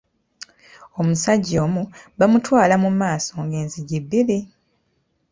Omusajja omu bamutwala mu maaso g'enzigi bbiri.